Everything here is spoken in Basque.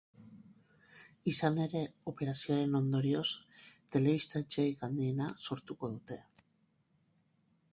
Izan ere, operazioaren ondorioz, telebista-etxerik handiena sortuko dute.